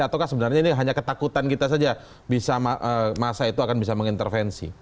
ataukah sebenarnya ini hanya ketakutan kita saja bisa masa itu akan bisa mengintervensi